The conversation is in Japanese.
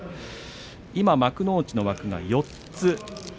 今、幕内の枠が４つ。